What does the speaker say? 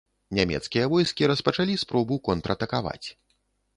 Нямецкія войскі распачалі спробу контратакаваць.